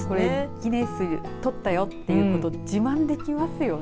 ギネス取ったよということ自慢できますよね。